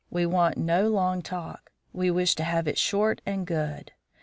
We want no long talk; we wish to have it short and good.